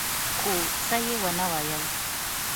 خو څه يې ونه ويل.